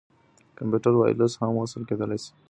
کمپيوټر وايرلس هم وصل کېدلاى سي.